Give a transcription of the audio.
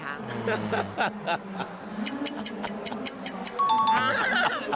ค่ะจริงก็คือให้น้องร้องโชว์ด้วยนะ